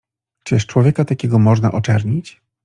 "Czyż człowieka takiego można oczernić?"